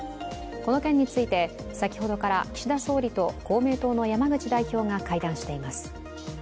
この件について先ほどから岸田総理と公明党の山口代表が会談しています。